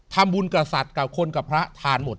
ทำบุญกับสัตว์กับคนกับพระทานหมด